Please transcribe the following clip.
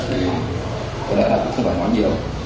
thì có lẽ là cũng không phải hóa nhiều